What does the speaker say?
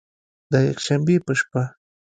د یکشنبې په شپه